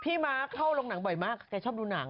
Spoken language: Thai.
ม้าเข้าโรงหนังบ่อยมากแกชอบดูหนัง